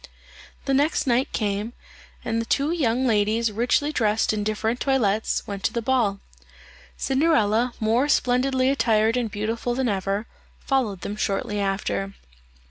The next night came, and the two young ladies richly dressed in different toilettes, went to the ball. Cinderella, more splendidly attired and beautiful than ever, followed them shortly after.